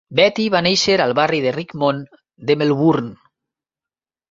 Beattie va néixer al barri de Richmond de Melbourne.